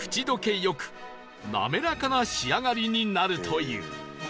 よく滑らかな仕上がりになるという